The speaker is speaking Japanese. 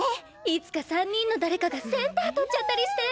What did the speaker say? いつか３人の誰かがセンター取っちゃったりして！